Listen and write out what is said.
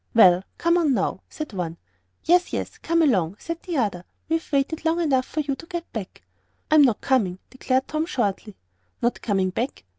"Well, come on now," said one. "Yes yes come along," said another; "we've waited long enough for you to get back." "I'm not coming," declared Tom, shortly. "Not coming back?